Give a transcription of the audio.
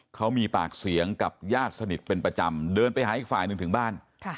เขามีปากเสียงกับญาติสนิทเป็นประจำเดินไปหาอีกฝ่ายหนึ่งถึงบ้าน